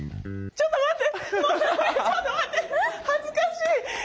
ちょっと待って。